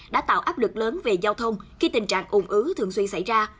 đã tạo áp lực lớn về giao thông khi tình trạng ủng ứ thường xuyên xảy ra